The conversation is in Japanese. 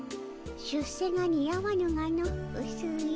出世が似合わぬがのうすい。